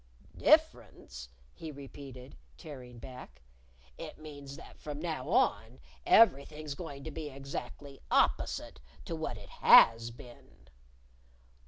"Difference?" he repeated, tearing back; "it means that from now on everything's going to be exactly opposite to what it has been."